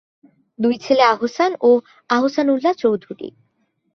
দুই ছেলে আহসান ও আহসান উল্লাহ চৌধুরী।